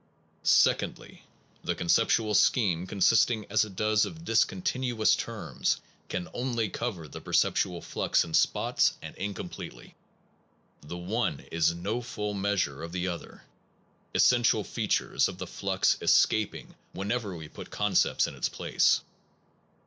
Secondly, the conceptual scheme, consisting as it does of discontinuous terms, can only cover the perceptual flux in spots and incompletely. The one is no full measure of the other, essential features of the flux escaping whenever we put concepts in its place.